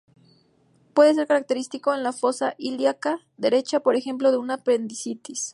Puede ser característico, en la fosa ilíaca derecha, por ejemplo de una apendicitis.